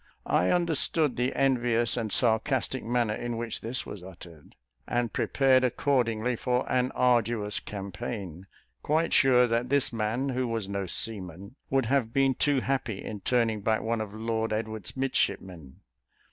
I understood the envious and sarcastic manner in which this was uttered, and prepared accordingly for an arduous campaign, quite sure that this man, who was no seaman, would have been too happy in turning back one of Lord Edward's midshipmen.